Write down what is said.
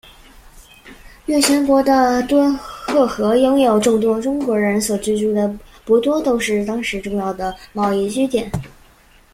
越前国的敦贺和拥有众多中国人所居住的博多都是当时重要的贸易据点。